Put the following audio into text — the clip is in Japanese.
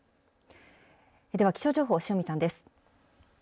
では、気象情報、塩見さんです。